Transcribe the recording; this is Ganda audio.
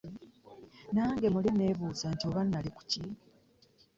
Nange muli nebuuza nti oba nali kuki ?